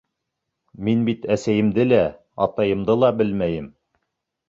Мин бит әсәйемде лә, атайымды ла белмәйем.